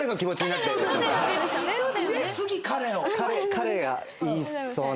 彼が言いそうな。